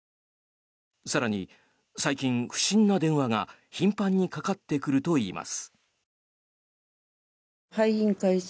更に、最近不審な電話が頻繁にかかってくるといいます。